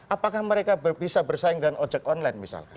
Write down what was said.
apakah mereka bisa bersaing dengan ojek online misalkan